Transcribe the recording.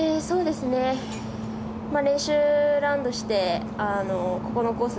練習ラウンドしてここのコース